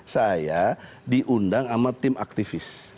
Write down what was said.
saya diundang sama tim aktivis